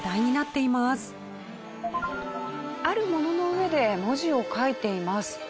あるものの上で文字を書いています。